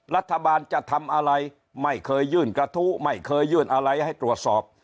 รัฐบาลจะทำอะไรไม่เคยยื่นกระทู้ไม่เคยยื่นอะไรให้ตรวจสอบ